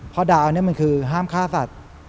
เพราะดาวนี่มันคือห้ามฆ่าสัตว์